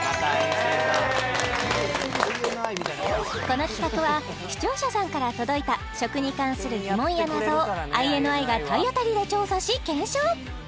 この企画は視聴者さんから届いた食に関する疑問や謎をＩＮＩが体当たりで調査し検証